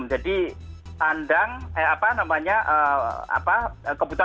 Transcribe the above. jadi kebutuhan beda